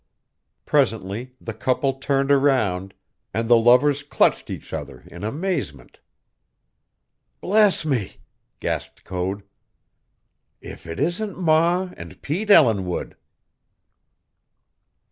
Presently the couple turned around, and the lovers clutched each other in amazement. "Bless me," gasped Code, "if it isn't ma and Pete Ellinwood!"